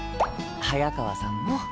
早川さんも。